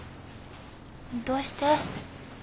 どうして？